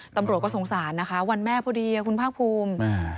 ตำรวจก็สงสารนะคะวันแม่พอดีคุณภาคภูมิ